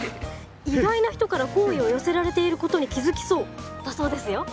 「意外な人から好意を寄せられていることに気付きそう」だそうですよ。